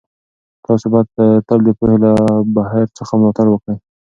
تاسو باید تل د پوهنې له بهیر څخه ملاتړ وکړئ.